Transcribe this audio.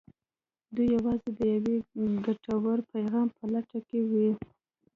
دوی يوازې د يوه ګټور پيغام په لټه کې وي.